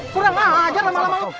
kurang aja lama lama lu